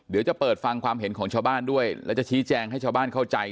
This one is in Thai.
เดี๋ยวจะเปิดฟังความเห็นของชาวบ้านด้วยแล้วจะชี้แจงให้ชาวบ้านเข้าใจ